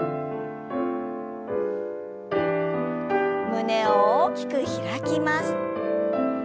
胸を大きく開きます。